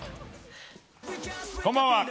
こんばんは。